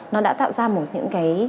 nó đã tạo ra một những cái